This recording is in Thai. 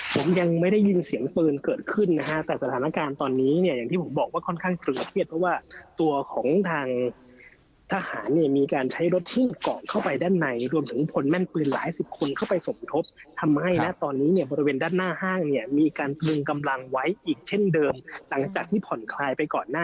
ผมยังไม่ได้ยินเสียงปืนเกิดขึ้นนะฮะแต่สถานการณ์ตอนนี้เนี่ยอย่างที่ผมบอกว่าค่อนข้างเกลือเครียดเพราะว่าตัวของทางทหารเนี่ยมีการใช้รถที่เกาะเข้าไปด้านในรวมถึงพลแม่นปืนหลายสิบคนเข้าไปสมทบทำให้นะตอนนี้เนี่ยบริเวณด้านหน้าห้างเนี่ยมีการตรึงกำลังไว้อีกเช่นเดิมหลังจากที่ผ่อนคลายไปก่อนหน้า